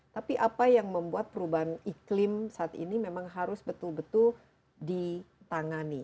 tapi apa yang membuat perubahan iklim saat ini memang harus betul betul ditangani